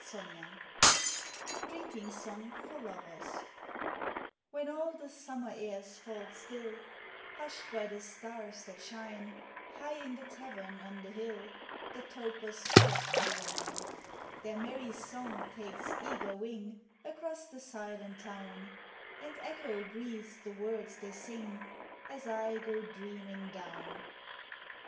129 DRINKING SONG FOR LOVERS WHEN all the summer airs fall still Hushed by the stars that shine, High in the tavern on the hill The topers quaff their wine ; Their merry song takes eager wing Across the silent town, And echo breathes the words they sing As I go dreaming down.